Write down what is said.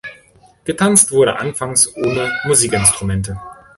Getanzt wurde anfangs ohne Musikinstrumente.